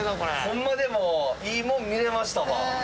ホンマでもいいもん見れましたわ。